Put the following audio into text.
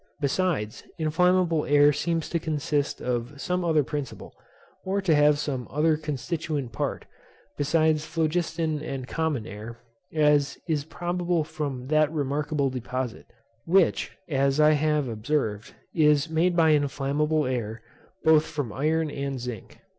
Besides, inflammable air seems to consist of some other principle, or to have some other constituent part, besides phlogiston and common air, as is probable from that remarkable deposit, which, as I have observed, is made by inflammable air, both from iron and zinc.